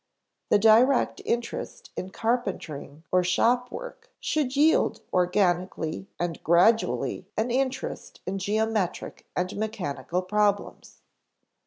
The direct interest in carpentering or shop work should yield organically and gradually an interest in geometric and mechanical problems.